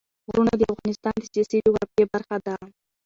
غرونه د افغانستان د سیاسي جغرافیه برخه ده.